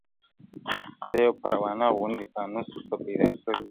زه یې پروانه غوندي پانوس ته پیدا کړی یم!!